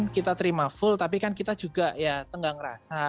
kita terima full tapi kan kita juga ya tengah ngerasa